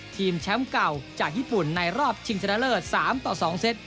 แชมป์เก่าจากญี่ปุ่นในรอบชิงชนะเลิศ๓ต่อ๒เซต